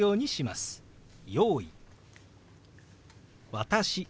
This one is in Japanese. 「私」。